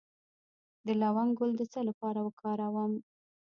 د لونګ ګل د څه لپاره وکاروم؟